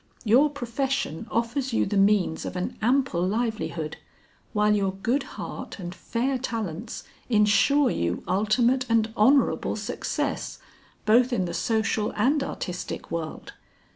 Your profession offers you the means of an ample livelihood while your good heart and fair talents insure you ultimate and honorable success, both in the social and artistic world.